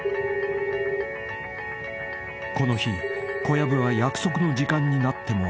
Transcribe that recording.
［この日小籔は約束の時間になっても現れない］